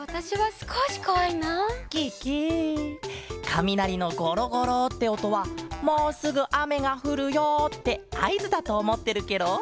かみなりのゴロゴロっておとは「もうすぐあめがふるよ」ってあいずだとおもってるケロ。